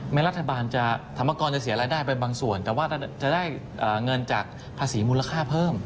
รัฐบาลธรรมกรจะเสียรายได้ไปบางส่วนแต่ว่าจะได้เงินจากภาษีมูลค่าเพิ่ม